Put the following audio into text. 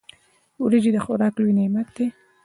وريجي د خوراک لوی نعمت دی.